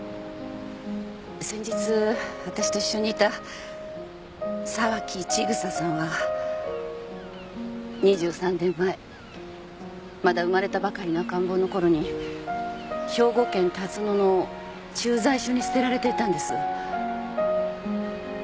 先日私と一緒にいた沢木千草さんは２３年前まだ生まれたばかりの赤ん坊のころに兵庫県龍野の駐在所に捨てられていたんです。